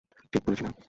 ঠিক বলেছি না?